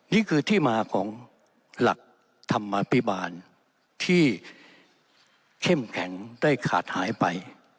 นี่คือที่มาของหลักธรรมาภิบาลที่เข้มแข็งได้ขาดหายไป